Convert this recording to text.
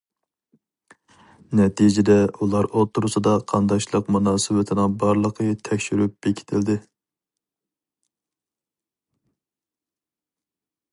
نەتىجىدە ئۇلار ئوتتۇرىسىدا قانداشلىق مۇناسىۋىتىنىڭ بارلىقى تەكشۈرۈپ بېكىتىلدى.